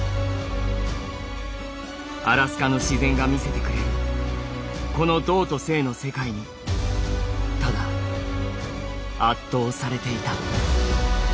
アラスカの自然が見せてくれるこの動と静の世界にただ圧倒されていた」。